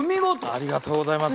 ありがとうございます。